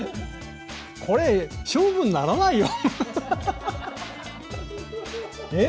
これ勝負にならないよ。